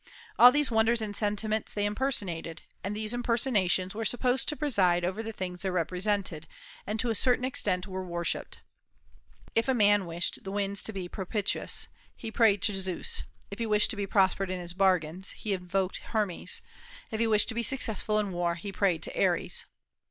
All these wonders and sentiments they impersonated; and these impersonations were supposed to preside over the things they represented, and to a certain extent were worshipped. If a man wished the winds to be propitious, he prayed to Zeus; if he wished to be prospered in his bargains, he invoked Hermes; if he wished to be successful in war, he prayed to Ares.